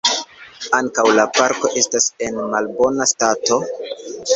Ankaŭ la parko estas en malbona stato.